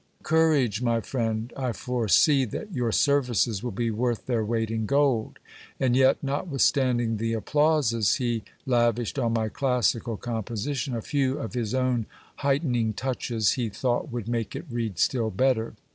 Courage, my friend ! I foresee that your services will be worth their weight in gold. And yet, notwithstanding the applauses he lavish ed on my classical composition, a few of his own heightening touches, he thought, would make it read still better.